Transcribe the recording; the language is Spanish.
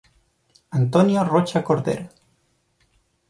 Antonio Rocha Cordero.